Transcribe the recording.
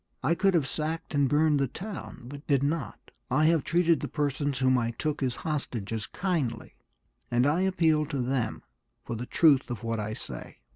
I could have sacked and burned the town, but did not; I have treated the persons whom I took as hostages kindly, and I appeal to them for the truth of what I say.